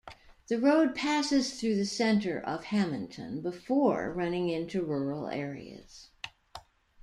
The road passes through the center of Hammonton before running into rural areas.